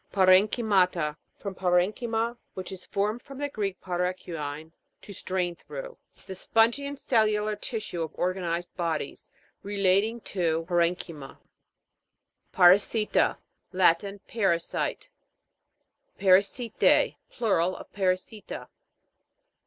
PARENCHY'MATA. From paren'chy ma, which is formed from the Greek, paregchuein, to strain through ; the spongy and cellular ENTOMOLOGY. GLOSSARY. 119 tissue of organized bodies. Re lating to paren'chyma. PARASI'TA. Latin. Parasite. PARASI'T^E. Plural of Parasita.